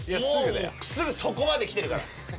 もうすぐそこまできてるから。